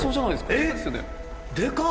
えっでか！